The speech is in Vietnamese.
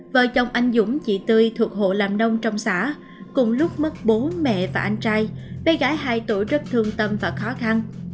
vợ chồng anh dũng chị tươi thuộc hộ làm nông trong xã cùng lúc mất bố mẹ và anh trai bé gái hai tuổi rất thương tâm và khó khăn